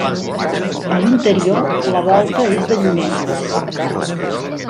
A l'interior, la volta és de llunetes.